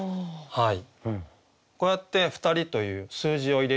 はい。